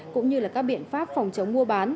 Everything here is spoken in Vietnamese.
cũng như các biện pháp phòng chống mua bán